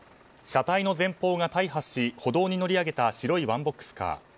車体前方が大破し歩道に乗り上げた白いワンボックスカー。